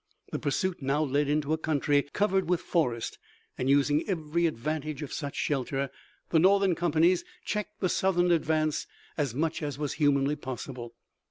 The pursuit now led into a country covered with forest, and using every advantage of such shelter, the Northern companies checked the Southern advance as much as was humanly possible.